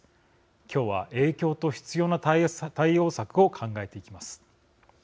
今日は、影響と必要な対応策を考えていきます。